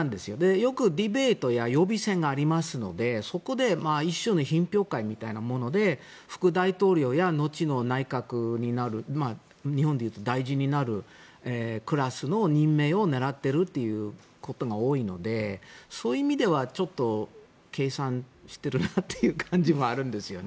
よくディベートや予備選がありますのでそこで一種の品評会みたいなもので副大統領や後の内閣になる日本でいうと大臣になるクラスの任命を狙っているっていうことが多いのでそういう意味では計算しているなという感じもあるんですよね。